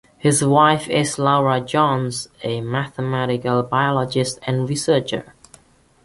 His wife is Laura Jones, a mathematical biologist and researcher.